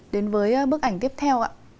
đến với bức ảnh tiếp theo ạ